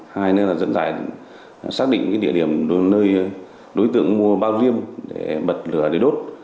hai nữa là dẫn dải xác định địa điểm nơi đối tượng mua bao viêm để bật lửa để đốt